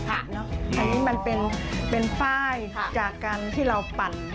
อันนี้มันเป็นป้ายจากการที่เราปั่น